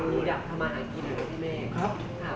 คุณอยู่อยากทำงานและกินเหรอพี่แมค